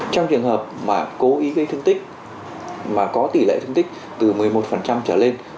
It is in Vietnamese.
trong trường hợp mà cố ý gây thương tích mà có tỷ lệ thương tích từ một mươi một trở lên